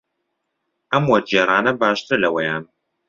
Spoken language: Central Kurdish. ئەم وەرگێڕانە باشترە لەوەیان.